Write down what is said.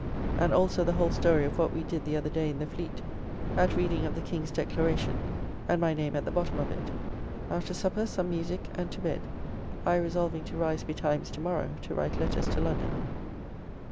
And also the whole story of what we did the other day in the fleet, at reading of the King's declaration, and my name at the bottom of it. After supper some musique and to bed. I resolving to rise betimes to morrow to write letters to London.